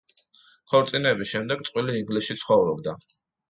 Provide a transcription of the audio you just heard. ქორწინების შემდეგ წყვილი ინგლისში ცხოვრობდა.